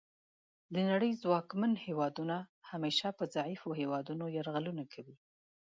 د نړۍ ځواکمن هیوادونه همیشه په ضعیفو هیوادونو یرغلونه کوي